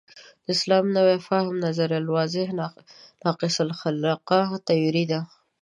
د اسلامي نوي فهم نظریه واضحاً ناقص الخلقه تیوري ده.